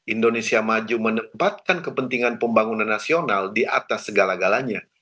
indonesia maju menempatkan kepentingan pembangunan nasional di atas segala galanya